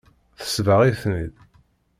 Tesbeɣ-iten-id.